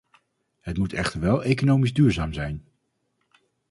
Het moet echter wel economisch duurzaam zijn.